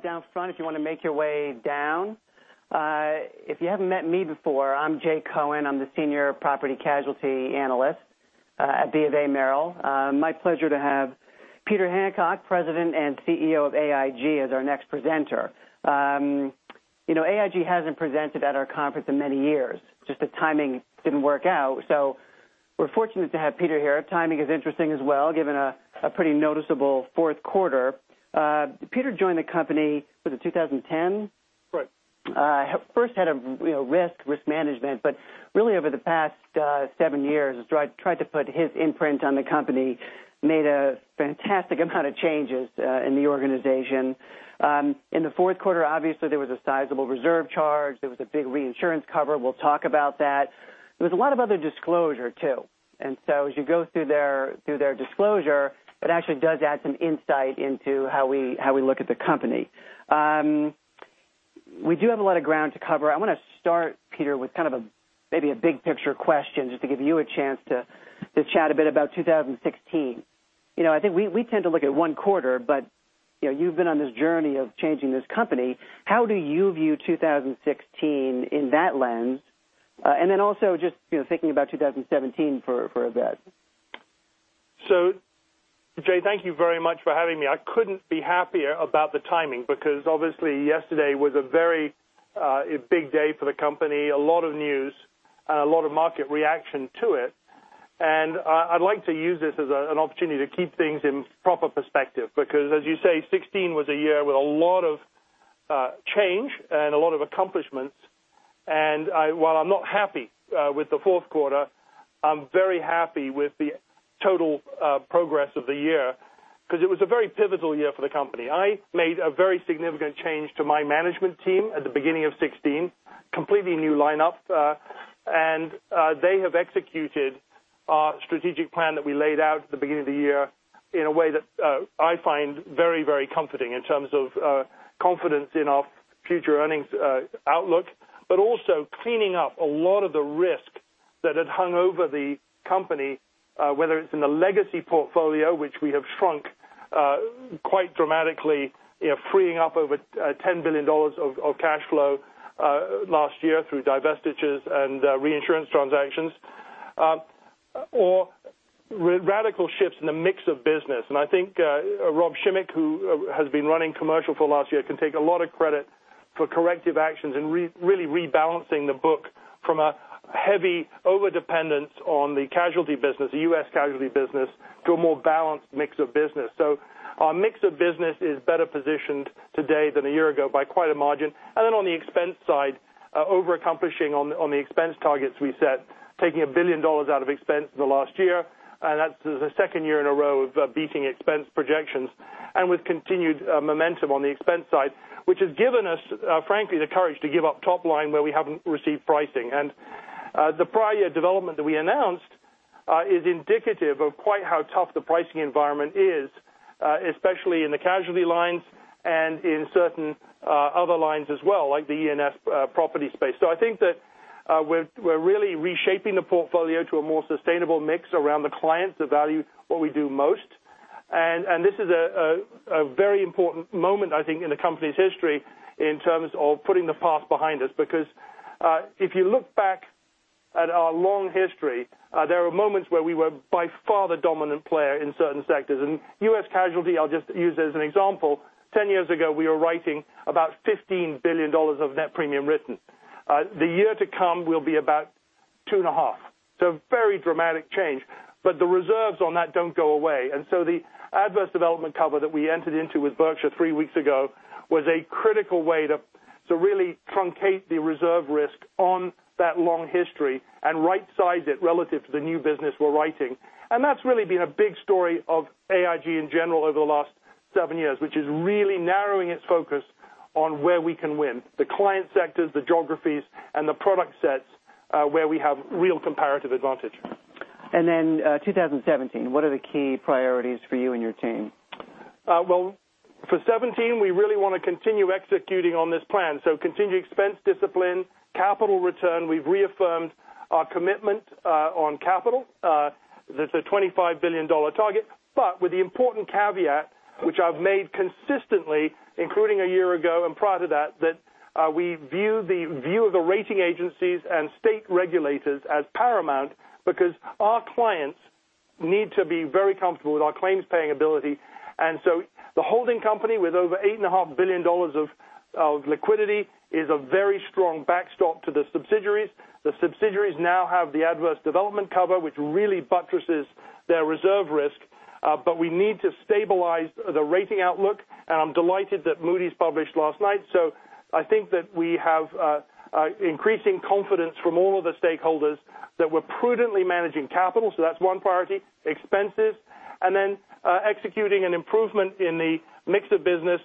Down front if you want to make your way down. If you haven't met me before, I'm Jay Cohen. I'm the Senior Property Casualty Analyst at BofA Merrill. My pleasure to have Peter Hancock, President and Chief Executive Officer of AIG, as our next presenter. AIG hasn't presented at our conference in many years. Just the timing didn't work out. We're fortunate to have Peter here. Timing is interesting as well, given a pretty noticeable fourth quarter. Peter joined the company, was it 2010? Right. First head of risk management, but really over the past seven years has tried to put his imprint on the company, made a fantastic amount of changes in the organization. In the fourth quarter, obviously there was a sizable reserve charge. There was a big reinsurance cover. We'll talk about that. As you go through their disclosure, it actually does add some insight into how we look at the company. We do have a lot of ground to cover. I want to start, Peter, with kind of maybe a big picture question, just to give you a chance to chat a bit about 2016. I think we tend to look at one quarter, but you've been on this journey of changing this company. How do you view 2016 in that lens? Also just thinking about 2017 for a bit. Jay, thank you very much for having me. I couldn't be happier about the timing, because obviously yesterday was a very big day for the company, a lot of news, and a lot of market reaction to it. I'd like to use this as an opportunity to keep things in proper perspective, because as you say, 2016 was a year with a lot of change and a lot of accomplishments. While I'm not happy with the fourth quarter, I'm very happy with the total progress of the year, because it was a very pivotal year for the company. I made a very significant change to my management team at the beginning of 2016, completely new lineup. They have executed our strategic plan that we laid out at the beginning of the year in a way that I find very comforting in terms of confidence in our future earnings outlook. Also cleaning up a lot of the risk that had hung over the company, whether it's in the legacy portfolio, which we have shrunk quite dramatically, freeing up over $10 billion of cash flow last year through divestitures and reinsurance transactions, or radical shifts in the mix of business. I think Rob Schimek, who has been running commercial for the last year, can take a lot of credit for corrective actions and really rebalancing the book from a heavy overdependence on the casualty business, the U.S. casualty business, to a more balanced mix of business. Our mix of business is better positioned today than a year ago by quite a margin. On the expense side, over-accomplishing on the expense targets we set, taking $1 billion out of expense in the last year. That's the second year in a row of beating expense projections, and with continued momentum on the expense side, which has given us, frankly, the courage to give up top line where we haven't received pricing. The prior year development that we announced is indicative of quite how tough the pricing environment is, especially in the casualty lines and in certain other lines as well, like the E&S property space. I think that we're really reshaping the portfolio to a more sustainable mix around the clients that value what we do most. This is a very important moment, I think, in the company's history in terms of putting the past behind us. If you look back at our long history, there are moments where we were by far the dominant player in certain sectors. U.S. casualty, I'll just use as an example, 10 years ago, we were writing about $15 billion of net premium written. The year to come will be about two and a half. Very dramatic change, but the reserves on that don't go away. The adverse development cover that we entered into with Berkshire three weeks ago was a critical way to really truncate the reserve risk on that long history and rightsize it relative to the new business we're writing. That's really been a big story of AIG in general over the last seven years, which is really narrowing its focus on where we can win. The client sectors, the geographies, and the product sets where we have real comparative advantage. 2017, what are the key priorities for you and your team? For 2017, we really want to continue executing on this plan. Continued expense discipline, capital return. We've reaffirmed our commitment on capital. That's a $25 billion target. With the important caveat, which I've made consistently, including a year ago and prior to that we view the view of the rating agencies and state regulators as paramount because our clients need to be very comfortable with our claims paying ability. The holding company, with over $8.5 billion of liquidity, is a very strong backstop to the subsidiaries. The subsidiaries now have the adverse development cover, which really buttresses their reserve risk. We need to stabilize the rating outlook, and I'm delighted that Moody's published last night. I think that we have increasing confidence from all of the stakeholders that we're prudently managing capital. That's one priority. Expenses, executing an improvement in the mix of business.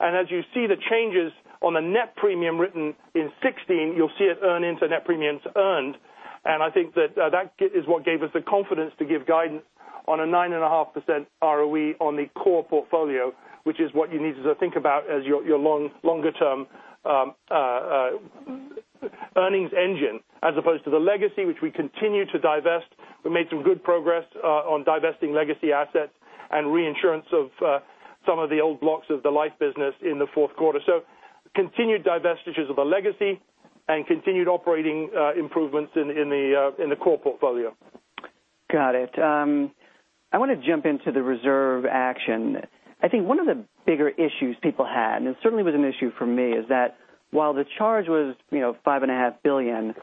As you see the changes on the net premium written in 2016, you'll see it earn into net premiums earned. I think that that is what gave us the confidence to give guidance on a 9.5% ROE on the core portfolio, which is what you need to think about as your longer-term Earnings engine as opposed to the legacy which we continue to divest. We made some good progress on divesting legacy assets and reinsurance of some of the old blocks of the life business in the fourth quarter. Continued divestitures of the legacy and continued operating improvements in the core portfolio. Got it. I want to jump into the reserve action. I think one of the bigger issues people had, and it certainly was an issue for me, is that while the charge was five and a half billion,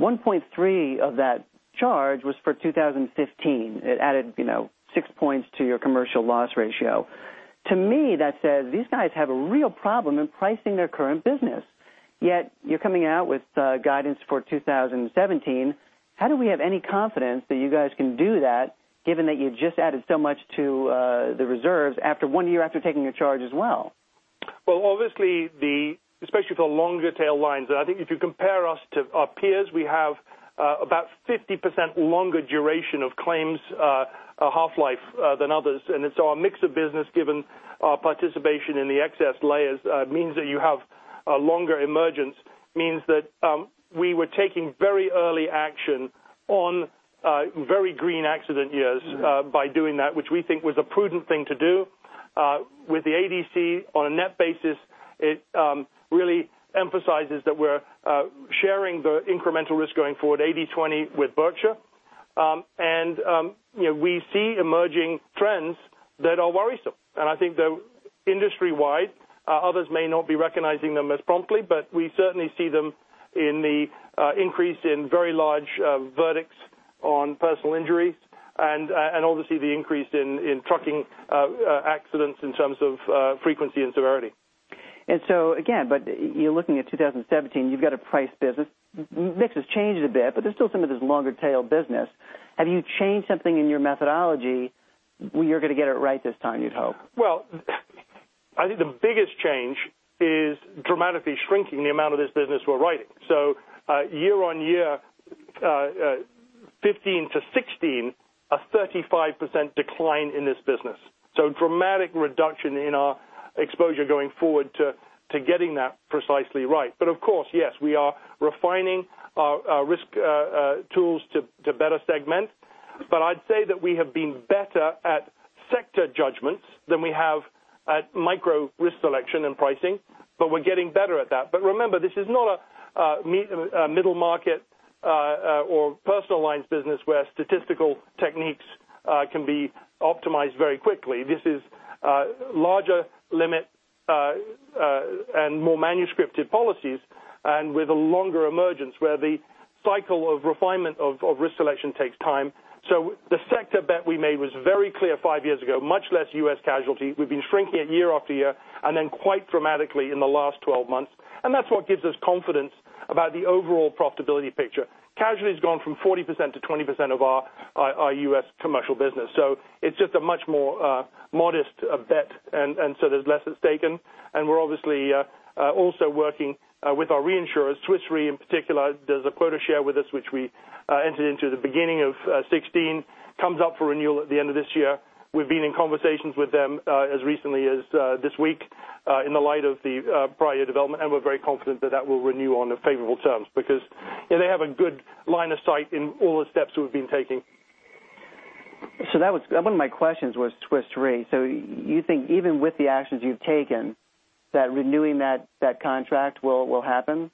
1.3 of that charge was for 2015. It added six points to your commercial loss ratio. To me, that says these guys have a real problem in pricing their current business. Yet you're coming out with guidance for 2017. How do we have any confidence that you guys can do that given that you just added so much to the reserves after one year after taking a charge as well? Obviously, especially for longer tail lines, I think if you compare us to our peers, we have about 50% longer duration of claims half-life than others. Our mix of business given our participation in the excess layers means that you have a longer emergence, means that we were taking very early action on very green accident years by doing that, which we think was a prudent thing to do. With the ADC on a net basis, it really emphasizes that we're sharing the incremental risk going forward, 80/20 with Berkshire. We see emerging trends that are worrisome. I think that industry wide, others may not be recognizing them as promptly, but we certainly see them in the increase in very large verdicts on personal injuries and obviously the increase in trucking accidents in terms of frequency and severity. Again, but you're looking at 2017, you've got a price business. Mix has changed a bit, but there's still some of this longer tail business. Have you changed something in your methodology where you're going to get it right this time, you'd hope? Well, I think the biggest change is dramatically shrinking the amount of this business we're writing. Year on year, 2015 to 2016, a 35% decline in this business. Dramatic reduction in our exposure going forward to getting that precisely right. Of course, yes, we are refining our risk tools to better segment. I'd say that we have been better at sector judgments than we have at micro risk selection and pricing, but we're getting better at that. Remember, this is not a middle market or personal lines business where statistical techniques can be optimized very quickly. This is larger limit and more manuscripted policies and with a longer emergence where the cycle of refinement of risk selection takes time. The sector bet we made was very clear five years ago, much less U.S. casualty. We've been shrinking it year after year quite dramatically in the last 12 months, that's what gives us confidence about the overall profitability picture. Casualty's gone from 40% to 20% of our U.S. commercial business. It's just a much more modest bet, there's less at stake. We're obviously also working with our reinsurers, Swiss Re in particular. There's a quota share with us which we entered into the beginning of 2016, comes up for renewal at the end of this year. We've been in conversations with them as recently as this week in the light of the prior year development, we're very confident that that will renew on favorable terms because they have a good line of sight in all the steps we've been taking. One of my questions was Swiss Re. You think even with the actions you've taken that renewing that contract will happen?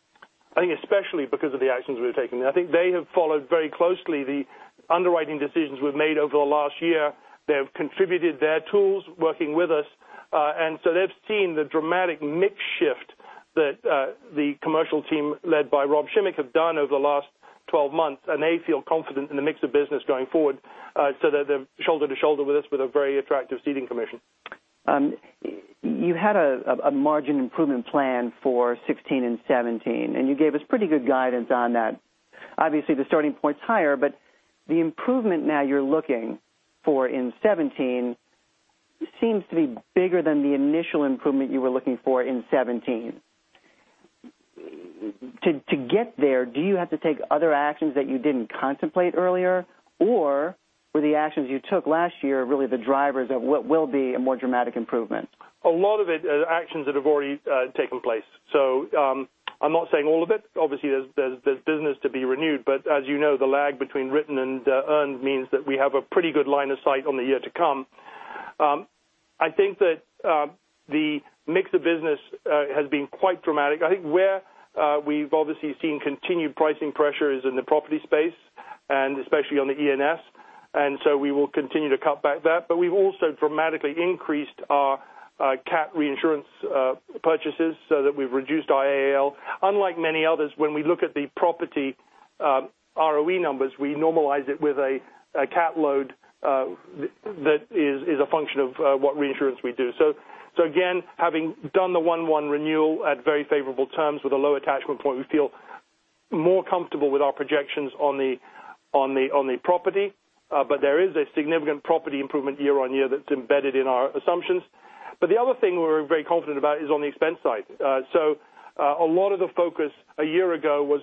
I think especially because of the actions we've taken. I think they have followed very closely the underwriting decisions we've made over the last year. They have contributed their tools working with us. They've seen the dramatic mix shift that the commercial team led by Rob Schimek have done over the last 12 months, and they feel confident in the mix of business going forward, so that they're shoulder to shoulder with us with a very attractive ceding commission. You had a margin improvement plan for 2016 and 2017, and you gave us pretty good guidance on that. Obviously, the starting point's higher, but the improvement now you're looking for in 2017 seems to be bigger than the initial improvement you were looking for in 2017. To get there, do you have to take other actions that you didn't contemplate earlier? Or were the actions you took last year really the drivers of what will be a more dramatic improvement? A lot of it are actions that have already taken place. I'm not saying all of it. Obviously there's business to be renewed, but as you know, the lag between written and earned means that we have a pretty good line of sight on the year to come. I think that the mix of business has been quite dramatic. I think where we've obviously seen continued pricing pressure is in the property space and especially on the E&S. We will continue to cut back that. We've also dramatically increased our cat reinsurance purchases so that we've reduced our AAL. Unlike many others, when we look at the property ROE numbers, we normalize it with a cat load that is a function of what reinsurance we do. Again, having done the one renewal at very favorable terms with a low attachment point, we feel more comfortable with our projections on the property. There is a significant property improvement year-on-year that's embedded in our assumptions. The other thing we're very confident about is on the expense side. A lot of the focus a year ago was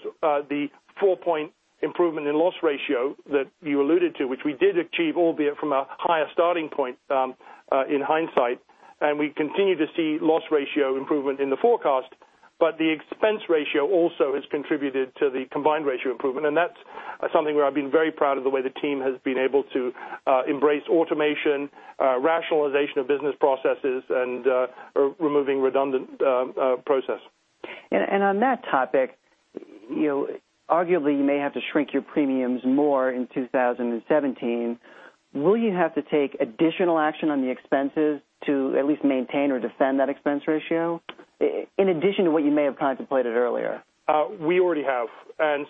the four point improvement in loss ratio that you alluded to, which we did achieve, albeit from a higher starting point in hindsight. We continue to see loss ratio improvement in the forecast. The expense ratio also has contributed to the combined ratio improvement, and that's something where I've been very proud of the way the team has been able to embrace automation, rationalization of business processes, and removing redundant process. On that topic, arguably you may have to shrink your premiums more in 2017. Will you have to take additional action on the expenses to at least maintain or defend that expense ratio in addition to what you may have contemplated earlier? We already have. As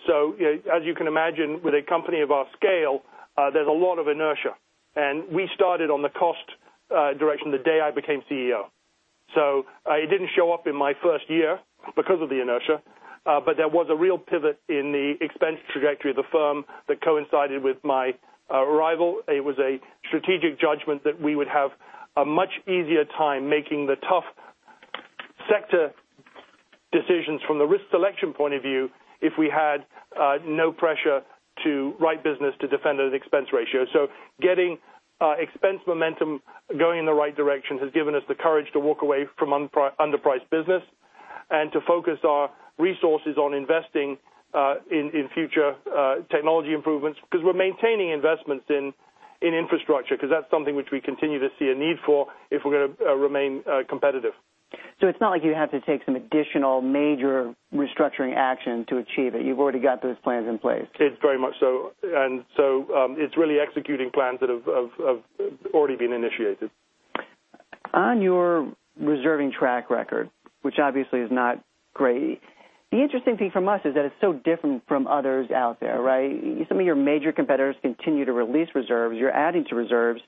you can imagine with a company of our scale, there's a lot of inertia. We started on the cost direction the day I became CEO. It didn't show up in my first year because of the inertia. There was a real pivot in the expense trajectory of the firm that coincided with my arrival. It was a strategic judgment that we would have a much easier time making the tough sector decisions from the risk selection point of view if we had no pressure to write business to defend at an expense ratio. Getting expense momentum going in the right direction has given us the courage to walk away from underpriced business and to focus our resources on investing in future technology improvements because we're maintaining investments in infrastructure, because that's something which we continue to see a need for if we're going to remain competitive. It's not like you have to take some additional major restructuring action to achieve it. You've already got those plans in place. It's very much so. It's really executing plans that have already been initiated. On your reserving track record, which obviously is not great, the interesting thing from us is that it's so different from others out there, right? Some of your major competitors continue to release reserves, you're adding to reserves.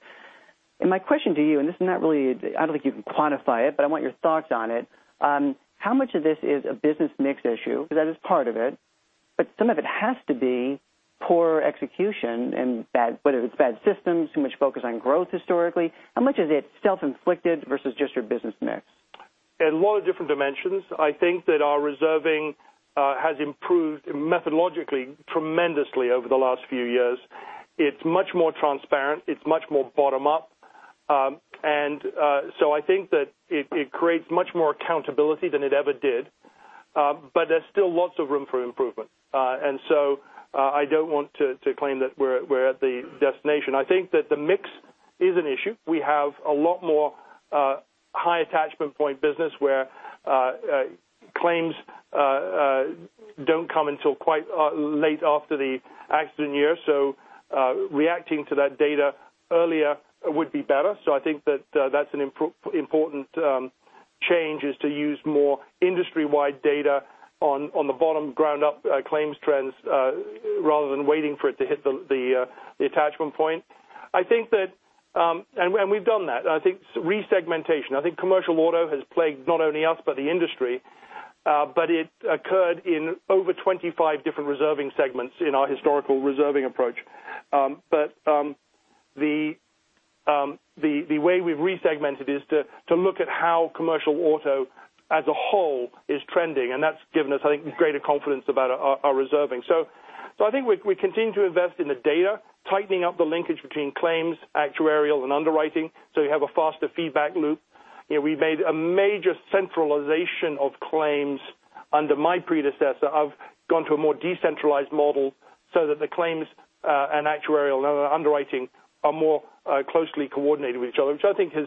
My question to you, and I don't think you can quantify it, but I want your thoughts on it. How much of this is a business mix issue? Because that is part of it, but some of it has to be poor execution and whether it's bad systems, too much focus on growth historically. How much is it self-inflicted versus just your business mix? A lot of different dimensions. I think that our reserving has improved methodologically tremendously over the last few years. It's much more transparent. It's much more bottom up. I think that it creates much more accountability than it ever did. There's still lots of room for improvement. I don't want to claim that we're at the destination. I think that the mix is an issue. We have a lot more high attachment point business where claims don't come until quite late after the accident year. Reacting to that data earlier would be better. I think that that's an important change is to use more industry-wide data on the bottom ground up claims trends rather than waiting for it to hit the attachment point. We've done that. I think resegmentation. I think commercial auto has plagued not only us but the industry. It occurred in over 25 different reserving segments in our historical reserving approach. The way we've resegmented is to look at how commercial auto as a whole is trending, and that's given us, I think, greater confidence about our reserving. I think we continue to invest in the data, tightening up the linkage between claims, actuarial, and underwriting so we have a faster feedback loop. We made a major centralization of claims under my predecessor. I've gone to a more decentralized model so that the claims and actuarial underwriting are more closely coordinated with each other, which I think has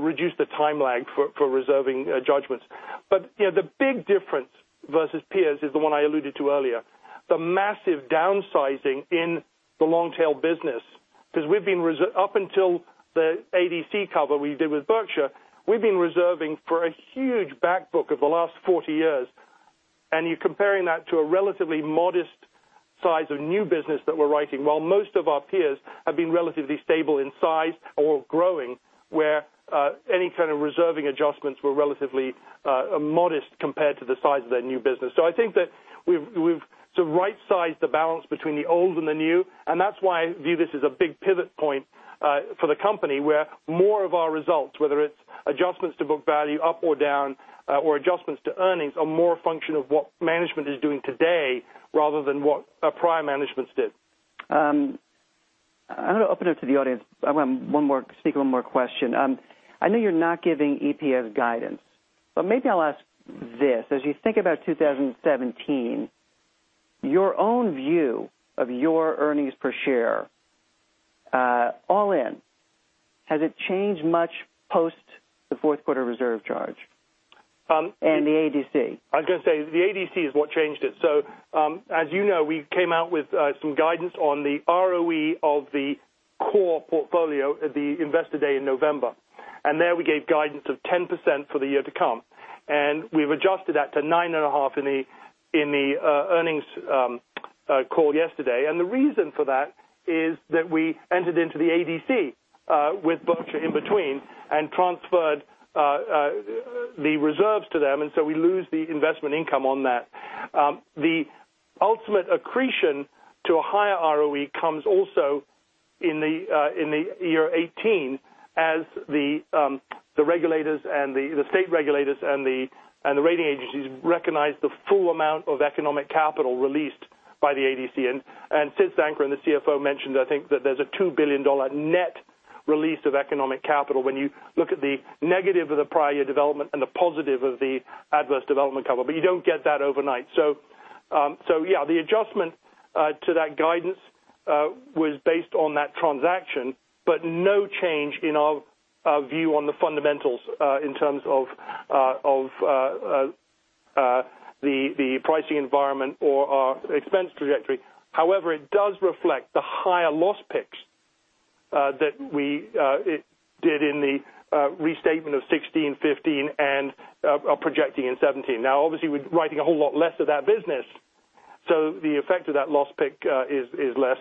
reduced the time lag for reserving judgments. The big difference versus peers is the one I alluded to earlier, the massive downsizing in the long tail business. Up until the ADC cover we did with Berkshire, we've been reserving for a huge back book of the last 40 years, and you're comparing that to a relatively modest size of new business that we're writing. While most of our peers have been relatively stable in size or growing, where any kind of reserving adjustments were relatively modest compared to the size of their new business. I think that we've right-sized the balance between the old and the new, and that's why I view this as a big pivot point for the company, where more of our results, whether it's adjustments to book value up or down or adjustments to earnings, are more a function of what management is doing today rather than what our prior managements did. I'm going to open it to the audience. I want to sneak one more question. I know you're not giving EPS guidance, but maybe I'll ask this. As you think about 2017, your own view of your earnings per share all in, has it changed much post the fourth quarter reserve charge and the ADC? I was going to say the ADC is what changed it. As you know, we came out with some guidance on the ROE of the core portfolio at the investor day in November. There we gave guidance of 10% for the year to come. We've adjusted that to 9.5% in the earnings call yesterday. The reason for that is that we entered into the ADC with Berkshire in between and transferred the reserves to them, we lose the investment income on that. The ultimate accretion to a higher ROE comes also in the year 2018 as the state regulators and the rating agencies recognize the full amount of economic capital released by the ADC. Sid Sankaran, the CFO, mentioned, I think, that there's a $2 billion net Release of economic capital when you look at the negative of the prior year development and the positive of the adverse development cover, but you don't get that overnight. Yeah, the adjustment to that guidance was based on that transaction, no change in our view on the fundamentals in terms of the pricing environment or our expense trajectory. However, it does reflect the higher loss picks that we did in the restatement of 2016, 2015, and are projecting in 2017. Now, obviously, we're writing a whole lot less of that business, the effect of that loss pick is less.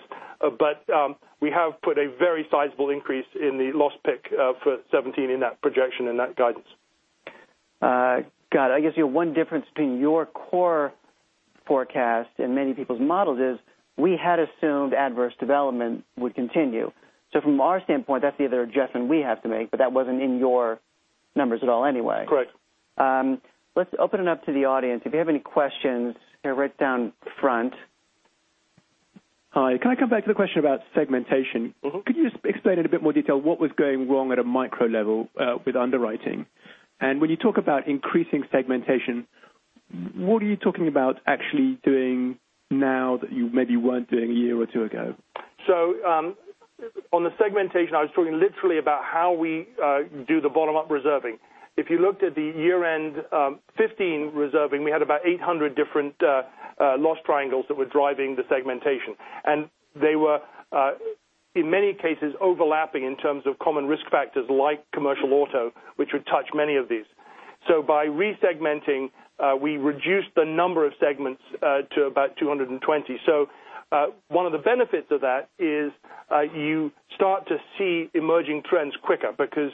We have put a very sizable increase in the loss pick for 2017 in that projection and that guidance. Got it. I guess one difference between your core forecast and many people's models is we had assumed adverse development would continue. From our standpoint, that's the other adjustment we have to make, but that wasn't in your numbers at all anyway. Correct. Let's open it up to the audience. If you have any questions, right down front. Hi. Can I come back to the question about segmentation? Could you just explain in a bit more detail what was going wrong at a micro level with underwriting? When you talk about increasing segmentation, what are you talking about actually doing now that you maybe weren't doing a year or two ago? On the segmentation, I was talking literally about how we do the bottom-up reserving. If you looked at the year-end 2015 reserving, we had about 800 different loss triangles that were driving the segmentation, and they were in many cases overlapping in terms of common risk factors like commercial auto, which would touch many of these. By re-segmenting, we reduced the number of segments to about 220. One of the benefits of that is you start to see emerging trends quicker because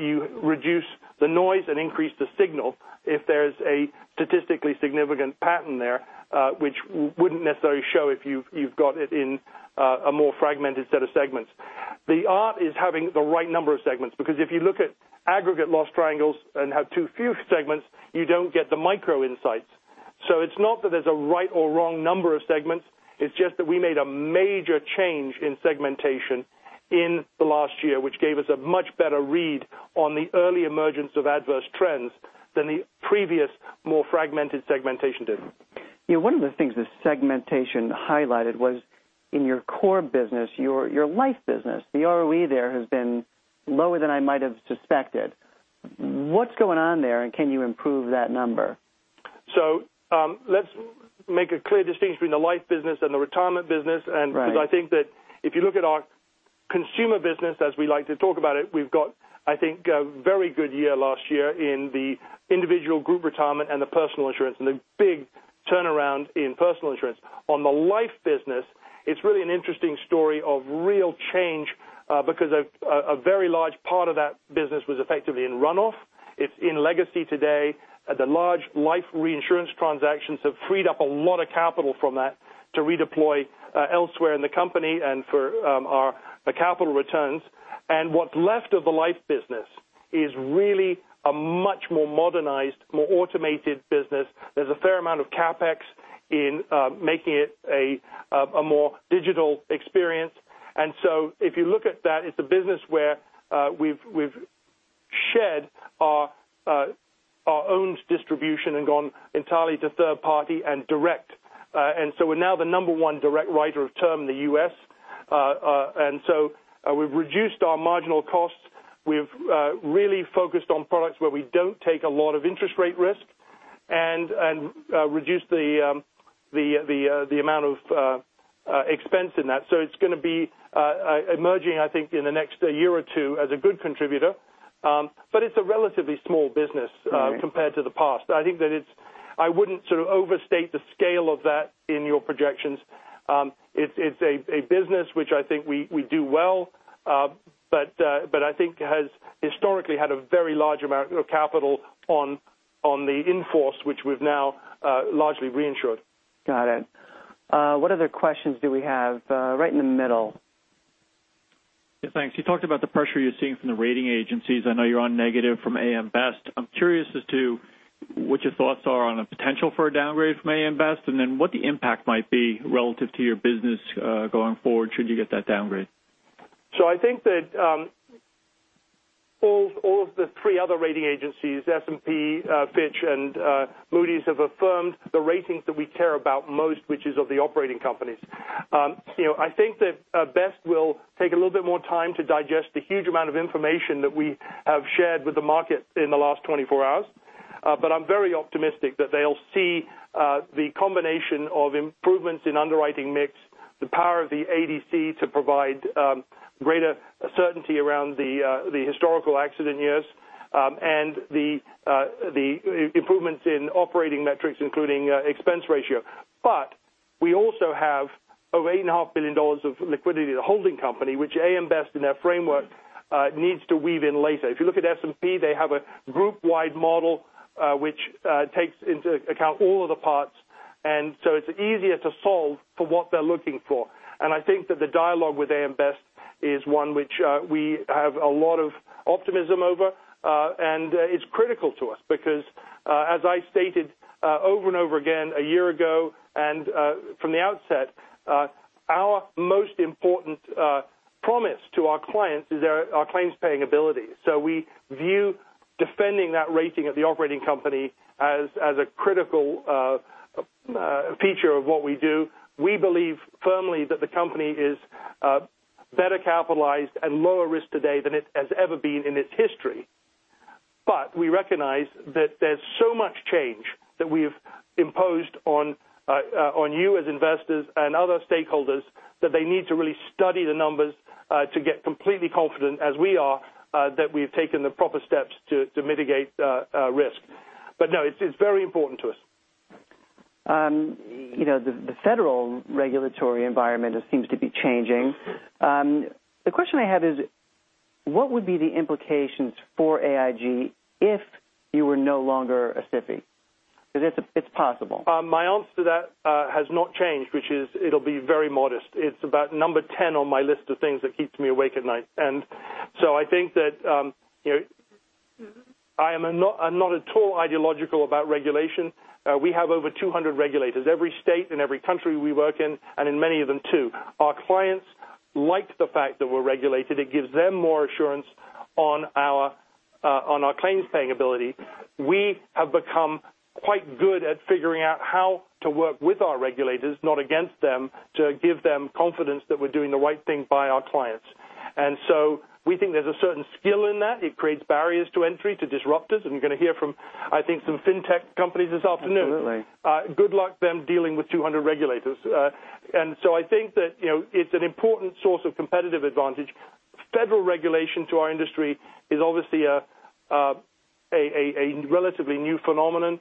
you reduce the noise and increase the signal if there's a statistically significant pattern there, which wouldn't necessarily show if you've got it in a more fragmented set of segments. The art is having the right number of segments, because if you look at aggregate loss triangles and have too few segments, you don't get the micro insights. It's not that there's a right or wrong number of segments. It's just that we made a major change in segmentation in the last year, which gave us a much better read on the early emergence of adverse trends than the previous more fragmented segmentation did. One of the things this segmentation highlighted was in your core business, your life business, the ROE there has been lower than I might have suspected. What's going on there, and can you improve that number? Let's make a clear distinction between the life business and the retirement business. Right. I think that if you look at our consumer business, as we like to talk about it, we've got a very good year last year in the individual group retirement and the personal insurance, and a big turnaround in personal insurance. On the life business, it's really an interesting story of real change because a very large part of that business was effectively in runoff. It's in legacy today. The large life reinsurance transactions have freed up a lot of capital from that to redeploy elsewhere in the company and for our capital returns. What's left of the life business is really a much more modernized, more automated business. There's a fair amount of CapEx in making it a more digital experience. If you look at that, it's a business where we've shed our owned distribution and gone entirely to third party and direct. We're now the number one direct writer of term in the U.S. We've reduced our marginal costs. We've really focused on products where we don't take a lot of interest rate risk and reduce the amount of expense in that. It's going to be emerging, I think, in the next year or two as a good contributor. It's a relatively small business compared to the past. I wouldn't overstate the scale of that in your projections. It's a business which I think we do well but I think has historically had a very large amount of capital on the in-force, which we've now largely reinsured. Got it. What other questions do we have? Right in the middle. Yes, thanks. You talked about the pressure you're seeing from the rating agencies. I know you're on negative from AM Best. I'm curious as to what your thoughts are on a potential for a downgrade from AM Best, and then what the impact might be relative to your business going forward should you get that downgrade. I think that all of the three other rating agencies, S&P, Fitch, and Moody's, have affirmed the ratings that we care about most, which is of the operating companies. I think that Best will take a little bit more time to digest the huge amount of information that we have shared with the market in the last 24 hours. I'm very optimistic that they'll see the combination of improvements in underwriting mix, the power of the ADC to provide greater certainty around the historical accident years, and the improvements in operating metrics, including expense ratio. We also have over $8.5 billion of liquidity in the holding company, which AM Best in their framework needs to weave in later. If you look at S&P, they have a group-wide model which takes into account all of the parts, it's easier to solve for what they're looking for. I think that the dialogue with AM Best is one which we have a lot of optimism over. It's critical to us because, as I stated over and over again a year ago and from the outset, our most important Promise to our clients is our claims paying ability. We view defending that rating of the operating company as a critical feature of what we do. We believe firmly that the company is better capitalized and lower risk today than it has ever been in its history. We recognize that there's so much change that we've imposed on you as investors and other stakeholders, that they need to really study the numbers to get completely confident as we are, that we've taken the proper steps to mitigate risk. No, it's very important to us. The federal regulatory environment seems to be changing. The question I have is what would be the implications for AIG if you were no longer a SIFI? Because it's possible. My answer to that has not changed, which is it'll be very modest. It's about number 10 on my list of things that keeps me awake at night. I think that I'm not at all ideological about regulation. We have over 200 regulators, every state and every country we work in, and in many of them, too. Our clients like the fact that we're regulated. It gives them more assurance on our claims paying ability. We have become quite good at figuring out how to work with our regulators, not against them, to give them confidence that we're doing the right thing by our clients. We think there's a certain skill in that. It creates barriers to entry to disrupt us, and you're going to hear from, I think, some fintech companies this afternoon. Absolutely. Good luck them dealing with 200 regulators. I think that it's an important source of competitive advantage. Federal regulation to our industry is obviously a relatively new phenomenon.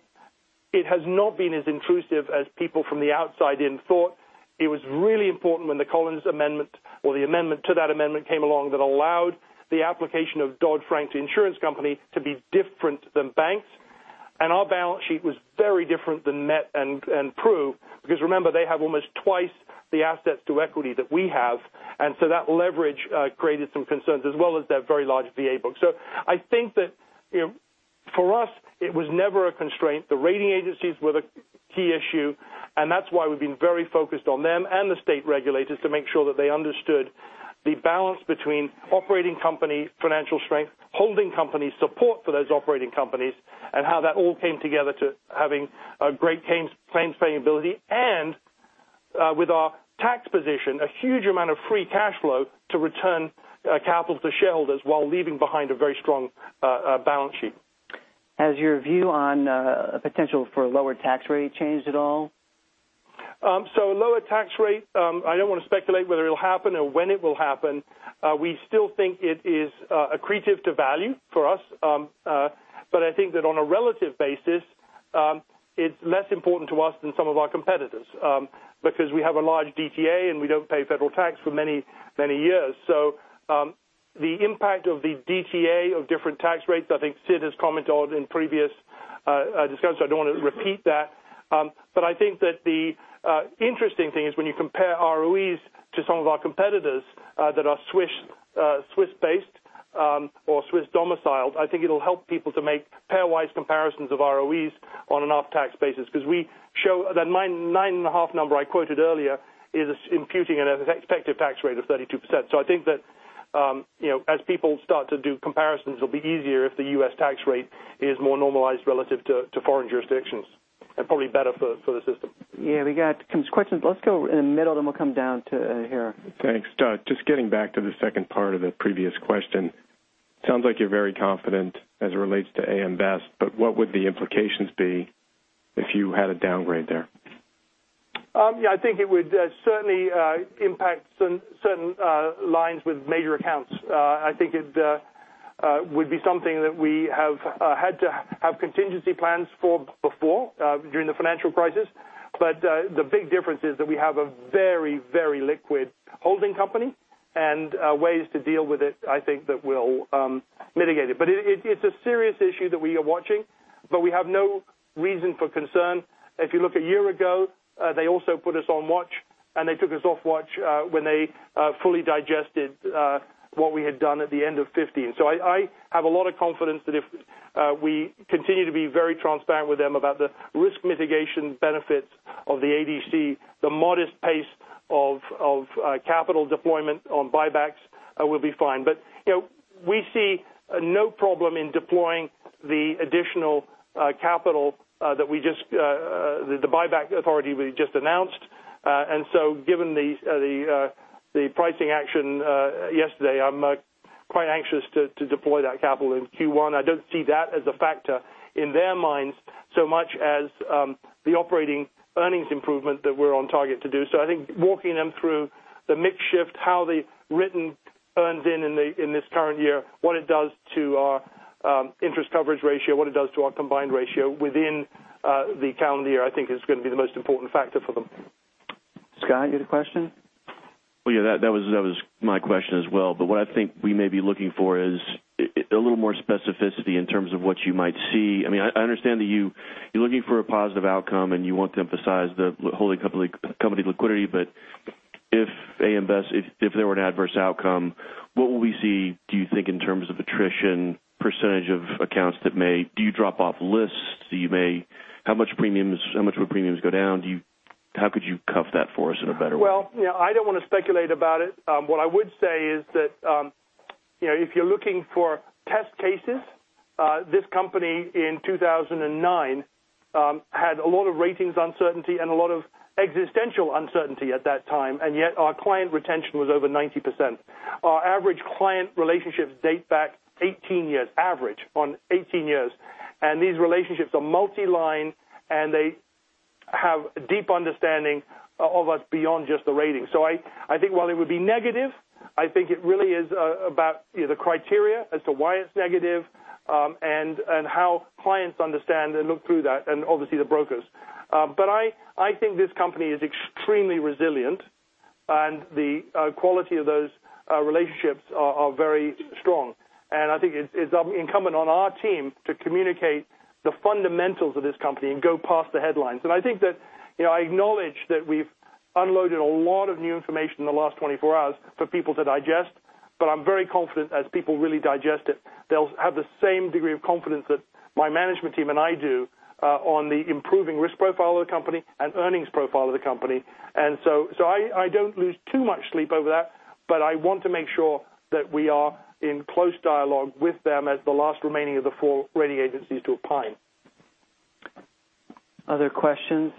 It has not been as intrusive as people from the outside in thought. It was really important when the Collins Amendment, or the amendment to that amendment came along that allowed the application of Dodd-Frank to insurance company to be different than banks. Our balance sheet was very different than Met and Prue, because remember, they have almost twice the assets to equity that we have. That leverage created some concerns as well as their very large VA book. I think that for us, it was never a constraint. The rating agencies were the key issue, and that's why we've been very focused on them and the state regulators to make sure that they understood the balance between operating company financial strength, holding company support for those operating companies, and how that all came together to having a great claims paying ability and with our tax position, a huge amount of free cash flow to return capital to shareholders while leaving behind a very strong balance sheet. Has your view on potential for a lower tax rate changed at all? Lower tax rate, I don't want to speculate whether it'll happen or when it will happen. We still think it is accretive to value for us. I think that on a relative basis, it's less important to us than some of our competitors, because we have a large DTA and we don't pay federal tax for many, many years. The impact of the DTA of different tax rates, I think Sid has commented on in previous discussions, so I don't want to repeat that. I think that the interesting thing is when you compare ROEs to some of our competitors that are Swiss based or Swiss domiciled, I think it'll help people to make pairwise comparisons of ROEs on an after-tax basis. We show that 9.5 number I quoted earlier is imputing an expected tax rate of 32%. I think that as people start to do comparisons, it'll be easier if the U.S. tax rate is more normalized relative to foreign jurisdictions and probably better for the system. Yeah, we got some questions. Let's go in the middle, then we'll come down to here. Thanks. Just getting back to the second part of the previous question. Sounds like you're very confident as it relates to AM Best, but what would the implications be if you had a downgrade there? Yeah, I think it would certainly impact certain lines with major accounts. I think it would be something that we have had to have contingency plans for before during the financial crisis. The big difference is that we have a very, very liquid holding company and ways to deal with it, I think that will mitigate it. It's a serious issue that we are watching, but we have no reason for concern. If you look a year ago, they also put us on watch, and they took us off watch when they fully digested what we had done at the end of 2015. I have a lot of confidence that if we continue to be very transparent with them about the risk mitigation benefits of the ADC, the modest pace of capital deployment on buybacks will be fine. We see no problem in deploying the additional capital that the buyback authority we just announced. Given the pricing action yesterday, I'm quite anxious to deploy that capital in Q1. I don't see that as a factor in their minds so much as the operating earnings improvement that we're on target to do. I think walking them through the mix shift, how the written earns in in this current year, what it does to our interest coverage ratio, what it does to our combined ratio within the calendar year, I think is going to be the most important factor for them. Scott, you had a question? Well, yeah, that was my question as well. What I think we may be looking for is a little more specificity in terms of what you might see. I understand that you're looking for a positive outcome and you want to emphasize the holding company liquidity. If AM Best, if there were an adverse outcome, what will we see, do you think, in terms of attrition, % of accounts that may drop off lists? How much will premiums go down? How could you quantify that for us in a better way? Well, I don't want to speculate about it. What I would say is that if you're looking for test cases, this company in 2009 had a lot of ratings uncertainty and a lot of existential uncertainty at that time, and yet our client retention was over 90%. Our average client relationships date back 18 years, average on 18 years. These relationships are multi-line, and they have a deep understanding of us beyond just the rating. I think while it would be negative, I think it really is about the criteria as to why it's negative, and how clients understand and look through that, and obviously the brokers. I think this company is extremely resilient and the quality of those relationships are very strong. I think it's incumbent on our team to communicate the fundamentals of this company and go past the headlines. I think that I acknowledge that we've unloaded a lot of new information in the last 24 hours for people to digest, I'm very confident as people really digest it, they'll have the same degree of confidence that my management team and I do on the improving risk profile of the company and earnings profile of the company. I don't lose too much sleep over that, but I want to make sure that we are in close dialogue with them as the last remaining of the four rating agencies to opine. Other questions?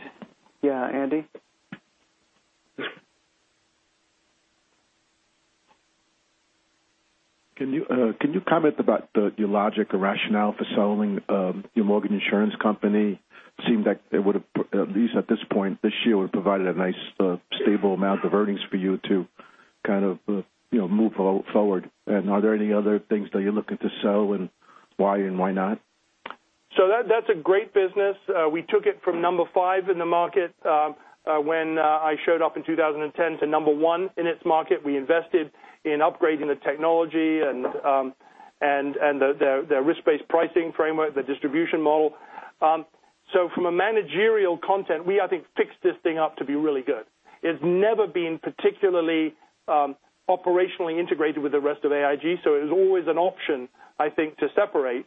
Yeah, Andy. Can you comment about your logic or rationale for selling your mortgage insurance company? It seemed like it would have, at least at this point this year, would have provided a nice stable amount of earnings for you to move forward. Are there any other things that you're looking to sell, and why and why not? That's a great business. We took it from number 5 in the market when I showed up in 2010 to number 1 in its market. We invested in upgrading the technology and the risk-based pricing framework, the distribution model. From a managerial content, we, I think, fixed this thing up to be really good. It's never been particularly operationally integrated with the rest of AIG, so it was always an option, I think, to separate.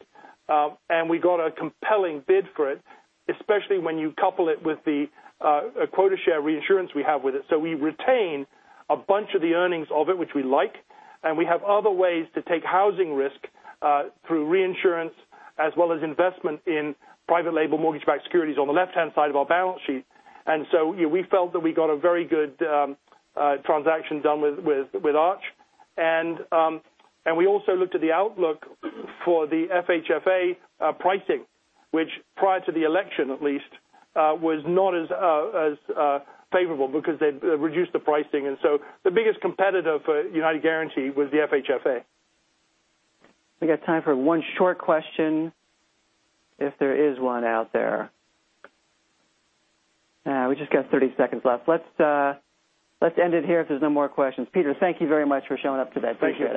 We got a compelling bid for it, especially when you couple it with the quota share reinsurance we have with it. We retain a bunch of the earnings of it, which we like, and we have other ways to take housing risk through reinsurance as well as investment in private label mortgage-backed securities on the left-hand side of our balance sheet. We felt that we got a very good transaction done with Arch. We also looked at the outlook for the FHFA pricing, which prior to the election at least, was not as favorable because they'd reduced the pricing. The biggest competitor for United Guaranty was the FHFA. We got time for one short question if there is one out there. We just got 30 seconds left. Let's end it here if there's no more questions. Peter, thank you very much for showing up today. Appreciate it.